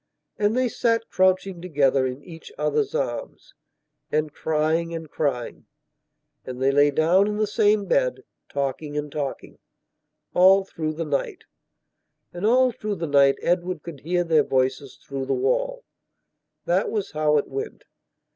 And they sat, crouching together in each other's arms, and crying and crying; and they lay down in the same bed, talking and talking, all through the night. And all through the night Edward could hear their voices through the wall. That was how it went....